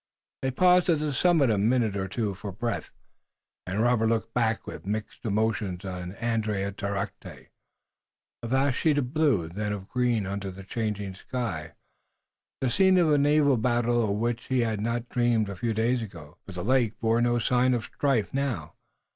They paused at the summit a minute or two for breath, and Robert looked back with mixed emotions at Andiatarocte, a vast sheet of blue, then of green under the changing sky, the scene of a naval victory of which he had not dreamed a few days ago. But the lake bore no sign of strife now.